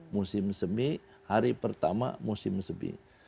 musim sembuh hari pertama musim sembuh